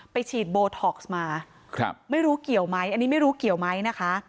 ไปฉีดโบท็อกซ์มาไม่รู้เกี่ยวไหมอันนี้ไม่รู้เกี่ยวไหมนะคะ